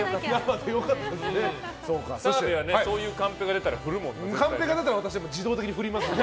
そういうカンペが出たら振るもんね。